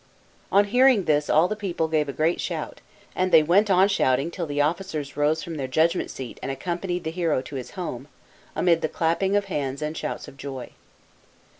On hearing this all the people gave a great shout, and they went on shouting, till the officers rose from their judgment seat and accompanied the hero to his home, amid the clapping of hands and shouts of joy.